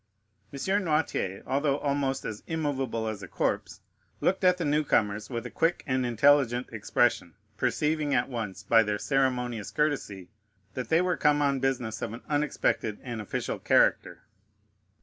M. Noirtier, although almost as immovable as a corpse, looked at the new comers with a quick and intelligent expression, perceiving at once, by their ceremonious courtesy, that they were come on business of an unexpected and official character.